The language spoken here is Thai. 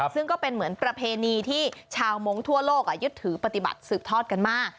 ซึ่งก็เป็นเหมือนประเพณีที่ชาวมงค์ทั่วโลกยึดถือปฏิบัติสืบทอดกันมา